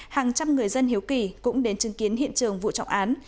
hàng trăm người dân hiếu kỳ cũng đến chứng kiến hiện trường vụ trọng án